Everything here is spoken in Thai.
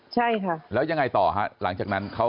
ใช่ค่ะแล้วยังไงต่อฮะหลังจากนั้นเขา